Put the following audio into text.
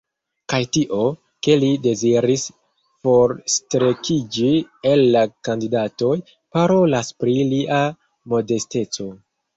Kaj tio, ke li deziris forstrekiĝi el la kandidatoj, parolas pri lia modesteco.